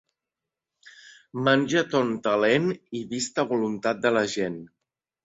Menja a ton talent i vist a voluntat de la gent.